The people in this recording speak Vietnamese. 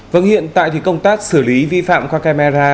vâng hiện tại thì công tác xử lý vi phạm qua camera